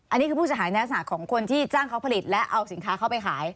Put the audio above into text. อันนี้คือผู้เสียหายในลักษณะของคนที่จ้างเขาผลิตและเอาสินค้าเข้าไปขาย